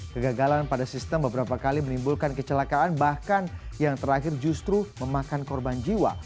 kegagalan pada sistem beberapa kali menimbulkan kecelakaan bahkan yang terakhir justru memakan korban jiwa